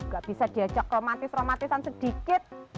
gak bisa diajak romantis romantisan sedikit